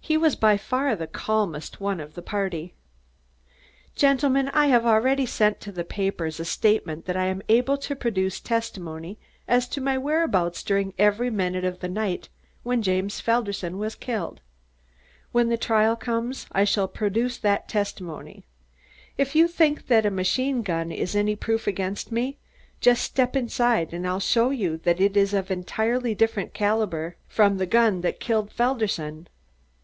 He was by far the calmest one of the party. "Gentlemen, I have already sent to the papers a statement that I am able to produce testimony as to my whereabouts during every minute of the night when James Felderson was killed. When the trial comes, I shall produce that testimony. If you think that machine gun is any proof against me, just step inside and I'll show you that it is of an entirely different caliber from the gun that killed Felderson."